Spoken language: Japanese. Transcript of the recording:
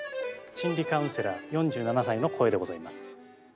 心理カウンセラー４７歳の声でございます。